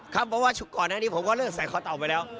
ครับเพราะว่าก่อนหน้านี้ผมก็เลิกใส่คอเต่าไปแล้ว